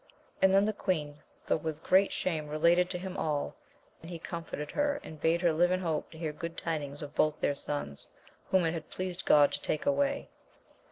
And then the' queen, though with great shame, related to him all ; and he comforted her, and bade her live in hope to hear good tidings of both their sons, whom it had pleased God to take away.